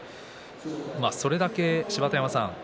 それだけ芝田山さん